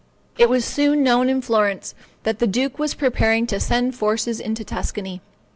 It was soon known in Florence that the duke was preparing to send forces into Tuscany.